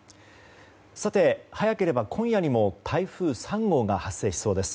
早ければ今夜にも台風３号が発生しそうです。